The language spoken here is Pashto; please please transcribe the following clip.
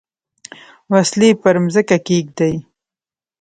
وسلې پر مځکه کښېږدي.